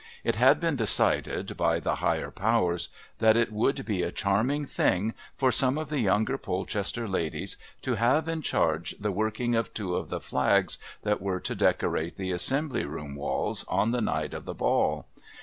It had been decided by the Higher Powers that it would be a charming thing for some of the younger Polchester ladies to have in charge the working of two of the flags that were to decorate the Assembly Room walls on the night of the Ball.